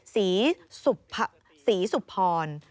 ศรีสุพร